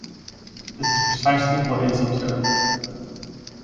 This is precisely what is observed.